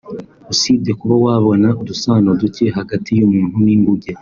usibye kuba wabona udusano duke hagati y’umuntu n’inguge